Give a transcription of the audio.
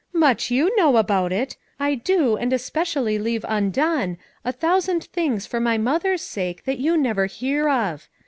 "Much you know about it ! I do, and especially leave undone, a thousand things for my mother's sake that you never hear of.